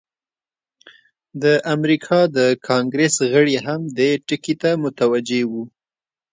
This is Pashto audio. د امریکا د کانګریس غړي هم دې ټکي ته متوجه وو.